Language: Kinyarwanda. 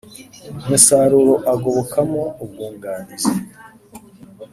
umusaruro agobokamo ubwunganizi